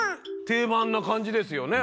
定番な感じですよね。